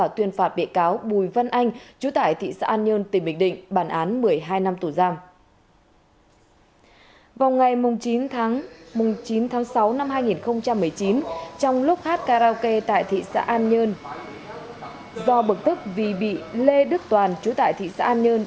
trong lúc hát karaoke tại thị xã an nhơn do bực tức vì bị lê đức toàn chú tại thị xã an nhơn